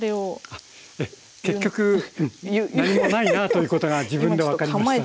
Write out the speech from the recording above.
あええ結局うん何もないなということが自分で分かりましたので。